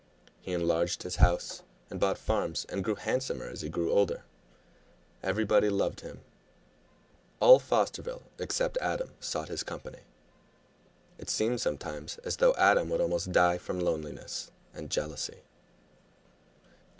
He enlarged his house and bought farms and grew handsomer as he grew older. Everybody loved him; all Fosterville, except Adam, sought his company. It seemed sometimes as though Adam would almost die from loneliness and jealousy.